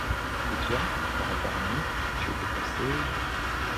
Et toi, par rapport à nous, tu étais placé?...